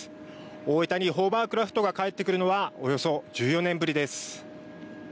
大分にホーバークラフトが帰ってくるのはおよそ１４年ぶりです。